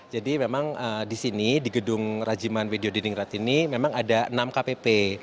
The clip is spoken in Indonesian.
jadi memang di sini di gedung rajiman wdn ini memang ada enam kpp